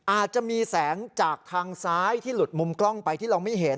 อาจจะมีแสงจากทางซ้ายที่หลุดมุมกล้องไปที่เราไม่เห็น